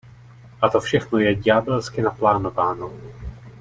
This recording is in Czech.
A to všechno je ďábelsky naplánováno.